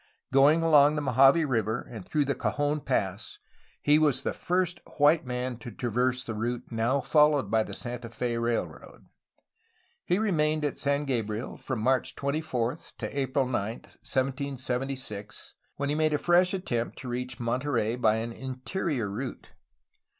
Going along the Mojave River and through Cajon Pass, he was the first white man to traverse the route now followed by the Santa Fe Railroad. He remained at San Gabriel from March 24 to April 9, 1776, when he made a fresh attempt to reach Monterey by an interior route.